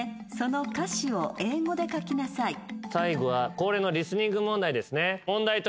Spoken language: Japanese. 最後は恒例のリスニング問題ですね。